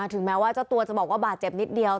ถึงแม้ว่าเจ้าตัวจะบอกว่าบาดเจ็บนิดเดียว